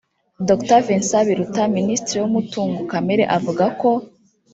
Dr Vincent Biruta Minisitiri w’umutungo kamere avuga ko